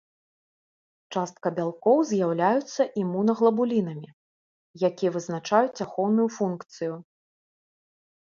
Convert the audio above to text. Частка бялкоў з'яўляюцца імунаглабулінамі, якія вызначаюць ахоўную функцыю.